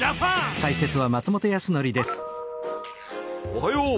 おはよう。